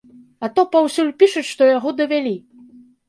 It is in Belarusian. А то паўсюль пішуць, што яго давялі!